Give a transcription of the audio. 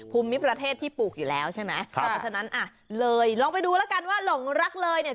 ภูมิประเทศที่ปลูกอยู่แล้วใช่ไหมครับเพราะฉะนั้นอ่ะเลยลองไปดูแล้วกันว่าหลงรักเลยเนี่ย